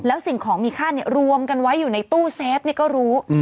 แล้วสิ่งของมีค่ารวมกันไว้อยู่ในตู้เซฟก็รู้